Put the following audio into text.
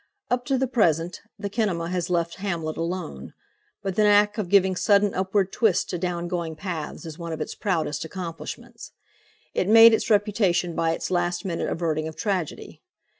Up to the present, the kinema has left "Hamlet" alone, but the knack of giving sudden upward twists to down going paths is one of its proudest accomplishments. it made its reputation by its last minute averting of tragedy.